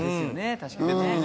確かにね。